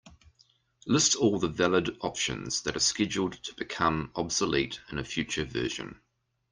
List all the valid options that are scheduled to become obsolete in a future version.